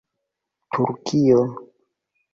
turkio